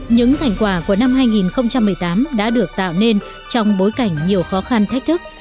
những thành quả của năm hai nghìn một mươi tám đã được tạo nên trong bối cảnh nhiều khó khăn thách thức